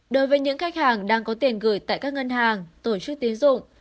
đối với những khách hàng đang có tiền gửi tại các ngân hàng tổ chức tín dụng